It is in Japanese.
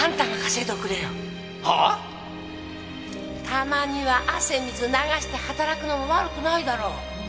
たまには汗水流して働くのも悪くないだろう。